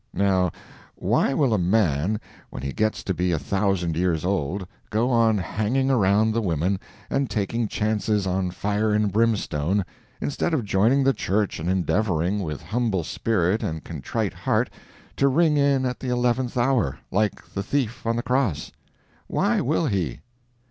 Now, why will a man, when he gets to be a thousand years old, go on hanging around the women, and taking chances on fire and brimstone, instead of joining the church and endeavoring, with humble spirit and contrite heart, to ring in at the eleventh hour, like the thief on the cross? Why will he?